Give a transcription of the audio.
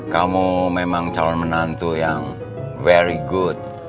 kamu memang calon menantu yang very good